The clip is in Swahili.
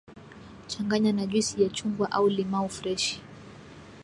changanya na Juisi ya chungwa au limao freshi